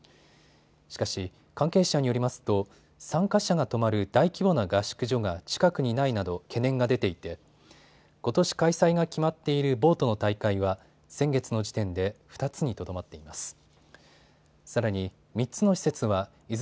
しかし関係者によりますと参加者が泊まる大規模な合宿所が近くにないなど懸念が出ていてことし開催が決まっているボートの大会は先月の時点で２つにとどまっています。